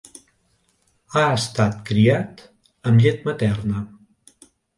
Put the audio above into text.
Ha estat criat amb llet materna.